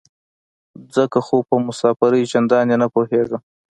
ځکه خو په مسافرۍ چندانې نه پوهېدم.